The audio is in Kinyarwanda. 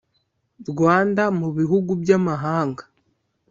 rwanda mu bihugu by amahanga